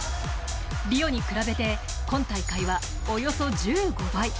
リオに比べて今大会はおよそ１５倍。